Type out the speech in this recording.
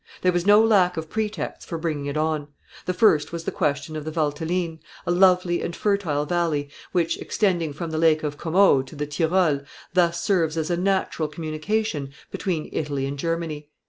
There was no lack of pretexts for bringing it on. The first was the question of the Valteline, a lovely and fertile valley, which, extending from the Lake of Como to the Tyrol, thus serves as a natural communication between Italy and Germany.